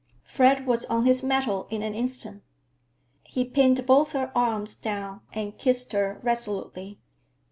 Fred was on his mettle in an instant. He pinned both her arms down and kissed her resolutely.